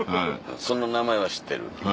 その名前は知ってる。